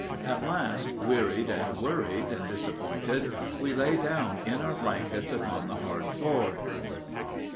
At last, wearied and worried and disappointed, we lay down in our blankets upon the hard floor.